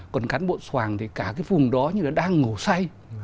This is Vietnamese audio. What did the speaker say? còn cán bộ tốt thì cả cái vùng đó như là đang ngổ say